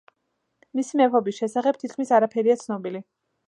მისი მეფობის შესახებ თითქმის არაფერია ცნობილი.